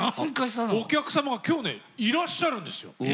お客様がね今日いらっしゃるんですよ。